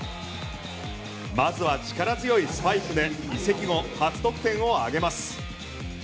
まずは力強いスパイクで移籍後初得点を挙げます。